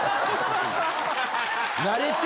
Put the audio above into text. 慣れて！